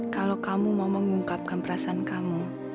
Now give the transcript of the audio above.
kalau kamu mau mengungkapkan perasaan kamu